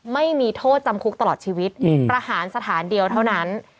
ไม่มีโทษจำคุกตลอดชีวิตประหารสถานเดียวเท่านั้น